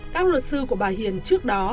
các luật sư của bà hiền trước đó